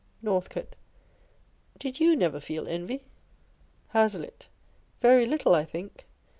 Northcote. Did you never feel envy ? Hazlitt. Very little, I think.